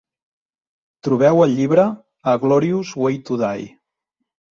Trobeu el llibre "A glorious way to die".